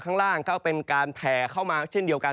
ข้างล่างก็เป็นการแผ่เข้ามาเช่นเดียวกัน